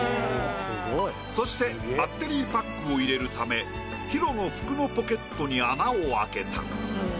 そしてバッテリーパックを入れるためＨＩＲＯの服のポケットに穴を開けた。